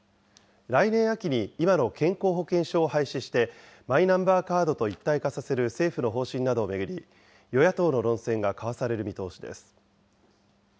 来年秋に今の健康保険証を廃止して、マイナンバーカードと一体化させる政府の方針などを巡り、与野党の論戦が交わされる見通しです。